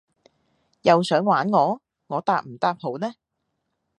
又想玩我？我答唔答好呢？